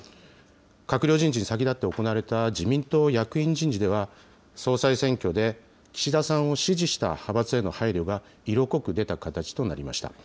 閣僚人事に先立って行われた自民党役員人事では、総裁選挙で岸田さんを支持した派閥への配慮が色濃く出た形となりました。